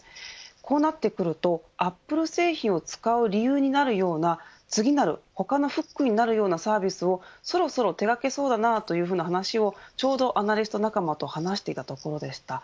こうなってくるとアップル製品を使う理由になるような次なる他のフックになるようなサービスをそろそろ手がけそうだなという話をちょうど、アナリスト仲間と話していたところでした。